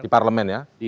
di parlemen ya